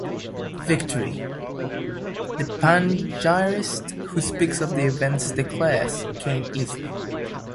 Victory, the panegyrist who speaks of the events declares, came easily.